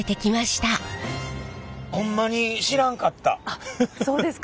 あっそうですか。